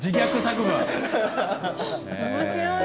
面白い。